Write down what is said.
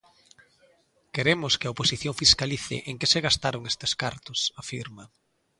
Queremos que a oposición fiscalice en que se gastaron estes cartos, afirma.